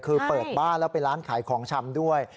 คือเปิดบ้านแล้วเป็นร้านขายของชำด้วย